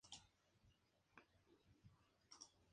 Se disuelve en ácido nítrico diluido.